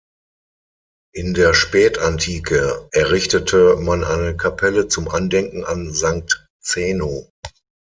In der Spätantike errichtete man eine Kapelle zum Andenken an Sankt Zeno.